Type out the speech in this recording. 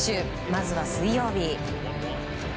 まずは水曜日。